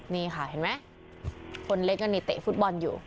นี่ค่ะเห็นไหมคนเล็กยังมีเตะฟุตบอลอยู่